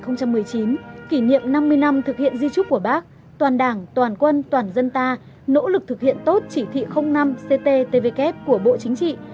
năm hai nghìn một mươi chín kỷ niệm năm mươi năm thực hiện di trúc của bác toàn đảng toàn quân toàn dân ta nỗ lực thực hiện tốt chỉ thị năm cttvk của bộ chính trị